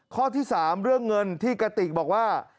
ข้อที่๓เรื่องเงินที่กระติกบอกว่า